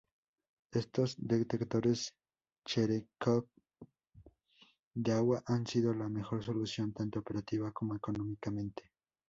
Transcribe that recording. Estos detectores Cherenkov de agua han sido la mejor solución, tanto operativa como económicamente.